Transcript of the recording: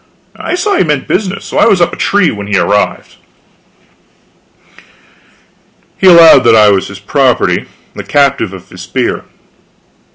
I saw he meant business, so I was up the tree when he arrived. He allowed that I was his property, the captive of his spear.